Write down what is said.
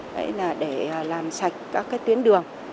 đấy là để làm sạch các cái tuyến đường